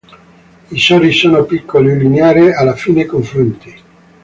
I sori sono piccoli, lineari alla fine confluenti.